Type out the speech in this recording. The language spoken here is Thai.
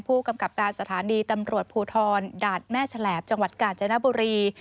ผู้กำกับการสถานีตำรวจภูทรดาดแม่ฉลาบจังหวัดกาญจนบุรี